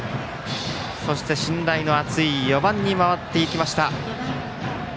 そして信頼の厚い４番に回っていきました。